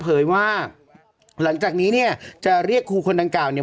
เผยว่าหลังจากนี้เนี่ยจะเรียกครูคนดังกล่าวเนี่ย